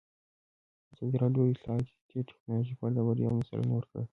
ازادي راډیو د اطلاعاتی تکنالوژي په اړه د بریاوو مثالونه ورکړي.